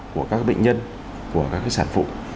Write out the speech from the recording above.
của các bệnh nhân của các sản phụ